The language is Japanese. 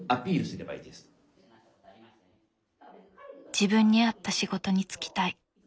「自分に合った仕事に就きたい」。